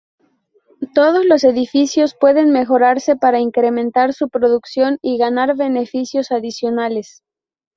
Todos los edificios pueden mejorarse para incrementar su producción y ganar beneficios adicionales.